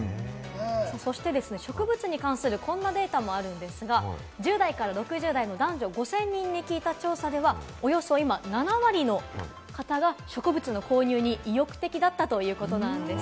そして植物に関するこんなデータもあるんですが、１０代６０代の男女５０００人に聞いた調査では、およそ７割の方が今、植物の購入に意欲的だったということなんです。